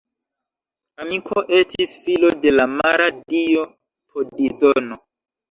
Amiko estis filo de la mara dio Pozidono.